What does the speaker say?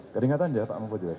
keringatan saja pak mahfud juga